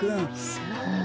さあ。